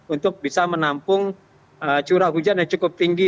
untuk bisa menampung curah hujan yang cukup tinggi